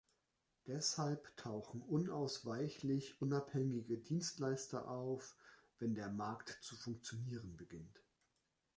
Deshalb tauchen unausweichlich unabhängige Dienstleister auf, wenn der Markt zu funktionieren beginnt.